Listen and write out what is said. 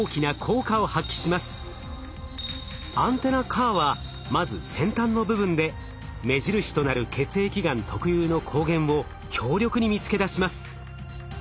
アンテナＣＡＲはまず先端の部分で目印となる血液がん特有の抗原を強力に見つけ出します。